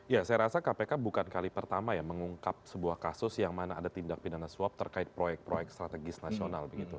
ya saya rasa kpk bukan kali pertama ya mengungkap sebuah kasus yang mana ada tindak pidana suap terkait proyek proyek strategis nasional